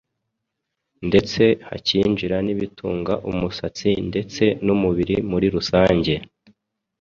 ndetse hakinjira n’ibitunga umusatsi ndetse n’umubiri muri rusange.